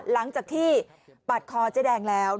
หลังจากที่ปาดคอเจ๊แดงแล้ว